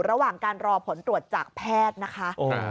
ระหว่างการรอผลตรวจจากแพทย์นะคะ